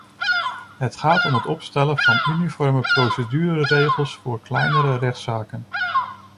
Het gaat om het opstellen van uniforme procedureregels voor kleinere rechtszaken.